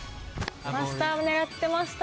マスターを狙ってました。